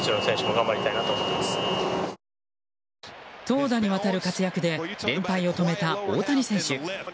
投打にわたる活躍で連敗を止めた大谷選手。